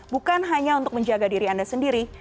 bukan hanya untuk menjaga diri anda sendiri